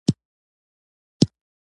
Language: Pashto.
ترموز د کوچني اختر چای وړاندې کوي.